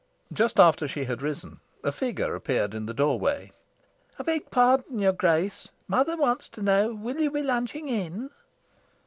Just after she had risen, a figure appeared in the doorway. "I beg pardon, your Grace; Mother wants to know, will you be lunching in?"